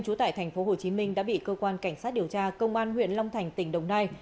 trú tại tp hcm đã bị cơ quan cảnh sát điều tra công an huyện long thành tỉnh đồng nai